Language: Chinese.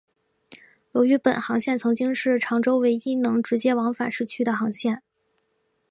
由于本航线曾经是长洲唯一能直接往返市区的航线。